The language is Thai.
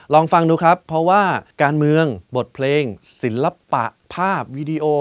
ลองฟังดูครับเพราะว่าการเมืองบทเพลงศิลปะภาพวีดีโอ